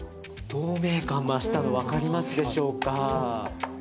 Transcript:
透明感が増したの分かりますでしょうか。